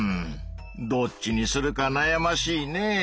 どっちにするかなやましいねぇ。